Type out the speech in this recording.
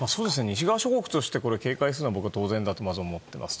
西側諸国として警戒するのは当然だとまず思ってます。